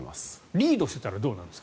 リードしていたらどうなんですか？